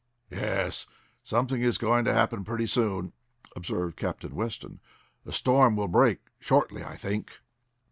"Yes, something is going to happen pretty soon," observed Captain Weston. "The storm will break shortly, I think."